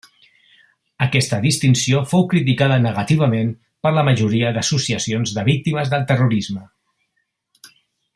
Aquesta distinció fou criticada negativament per la majoria d'associacions de víctimes del terrorisme.